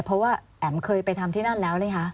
เพราะว่าแอ๋มเคยไปทำที่นั่นแล้วหรือคะ